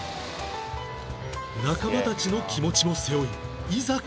仲間たちの気持ちも背負いいざ決戦の地へ